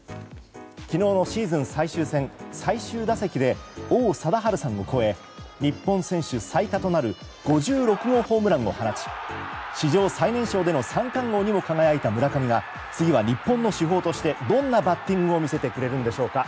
昨日のシーズン最終戦最終打席で王貞治さんを超え日本選手最多となる５６号ホームランを放ち史上最年少での三冠王にも輝いた村上が次は日本の主砲としてどんなバッティングを見せてくれるんでしょうか。